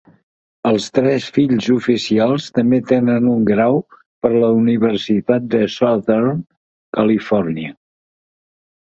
Els tres fills oficials també tenen un grau per la Universitat de Southern California.